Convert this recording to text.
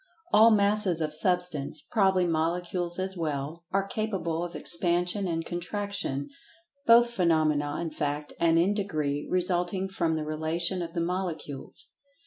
All Masses of Substance (probably Molecules as well) are capable of Expansion and Contraction, both phenomena, in fact, and in degree, resulting from the relation of the Molecules.